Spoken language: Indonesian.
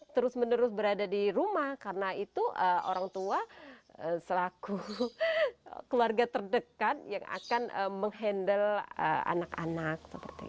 terus menerus berada di rumah karena itu orang tua selaku keluarga terdekat yang akan menghandle anak anak